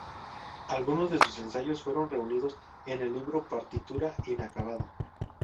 Algunos de sus ensayos fueron reunidos en el libro "Partitura inacabada".